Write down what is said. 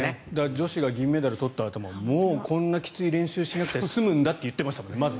女子が銀メダル取ったあとももうこんなきつい練習しなくて済むんだって言ってましたもんね。